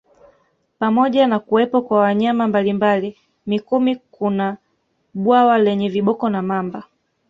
Pamoja na kuwepo kwa wanyama mbalimbali Mikumi kuna bwawa lenye viboko na mamba